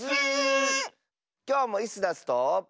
きょうもイスダスと。